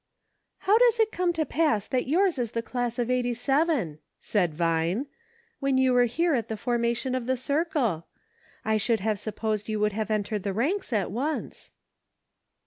*' How does it come to pass that yours is the class of '87," said Vine, "when you were here at the for mation of the circle .'' I should have supposed you would have entered the ranks at once."